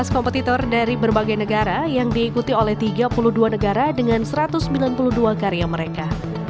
dua belas kompetitor dari berbagai negara yang diikuti oleh tiga puluh dua negara dengan satu ratus sembilan puluh dua karya mereka